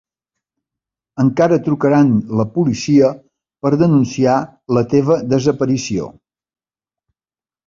Encara trucaran la policia per denunciar la teva desaparició.